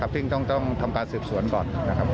ซึ่งต้องทำการสืบสวนก่อน